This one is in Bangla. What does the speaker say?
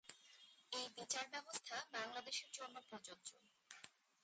এই বিচার ব্যবস্থা বাংলাদেশে প্রজয্য।